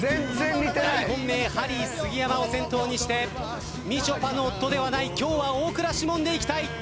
大本命ハリー杉山を先頭にしてみちょぱの夫ではない今日は大倉士門でいきたい。